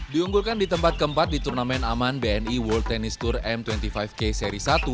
diunggulkan di tempat keempat di turnamen aman bni world tennis tour m dua puluh lima k seri satu